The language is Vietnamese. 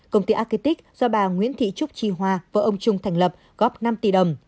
công ty architect do bà nguyễn thị trúc tri hoa và ông trung thành lập góp năm tỷ đồng